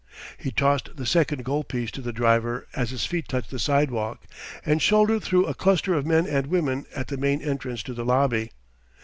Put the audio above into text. He tossed the second gold piece to the driver as his feet touched the sidewalk, and shouldered through a cluster of men and women at the main entrance to the lobby.